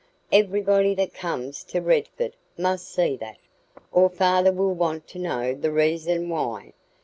Everybody that comes to Redford must see that, or father will want to know the reason why.